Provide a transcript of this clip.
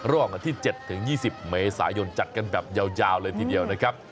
วันที่๗๒๐เมษายนจัดกันแบบยาวเลยทีเดียวนะครับ